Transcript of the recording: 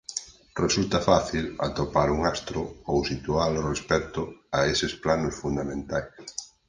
Resulta fácil atopar un astro ou situalo respecto a eses planos fundamentais.